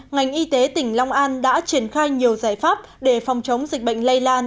ngành y tế tỉnh long an đã triển khai nhiều giải pháp để phòng chống dịch bệnh lây lan